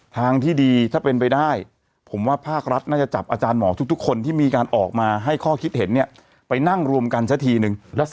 ทางที่ดีถ้าเป็นไปได้ผมว่าภาครัฐน่าจะจับอาจารย์หมอทุกคนที่มีการออกมาให้ข้อคิดเห็นเนี่ยไปนั่งรวมกันซะทีนึง